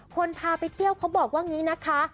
คนพาไปเที่ยวเขาบอกว่านี่นะคะ